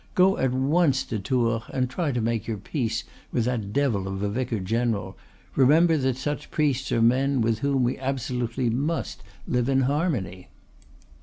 Go at once to Tours and try to make your peace with that devil of a vicar general; remember that such priests are men with whom we absolutely must live in harmony.